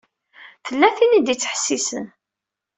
Tella tin i d-ittḥessisen.